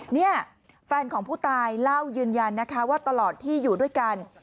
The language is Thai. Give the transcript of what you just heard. นี่แฟนของผู้ตายเล่ายืนยันนะคะว่าตลอดที่อยู่ด้วยกัน